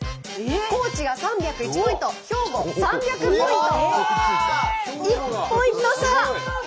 高知が３０１ポイント兵庫３００ポイント。